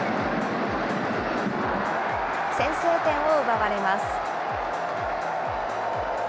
先制点を奪われます。